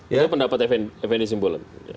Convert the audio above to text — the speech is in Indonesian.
itu pendapat fn di simbol